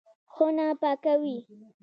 خونه پاکوي.